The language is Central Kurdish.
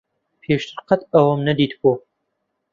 پێشتر قەت ئەوەم نەدیتبوو.